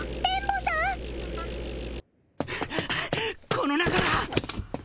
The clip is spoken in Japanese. この中だ！